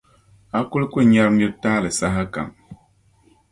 O kul ku nyari nir’ taali sahakam.